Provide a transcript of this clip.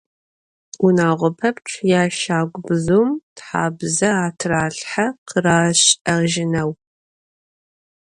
Vunağo pepçç yaşagubzıum thabze atıralhhe khıraş'ejıneu.